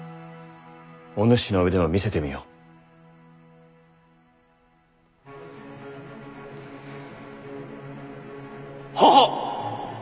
お主の腕を見せてみよ。ははっ！